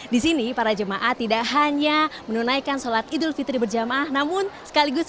di sini para jemaah tidak hanya menunaikan sholat idul fitri berjamaah namun sekaligus